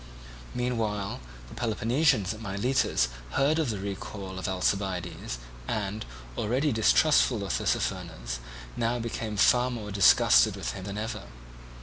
Meanwhile the Peloponnesians at Miletus heard of the recall of Alcibiades and, already distrustful of Tissaphernes, now became far more disgusted with him than ever.